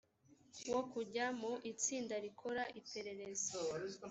wo kujya mu itsinda rikora iperereza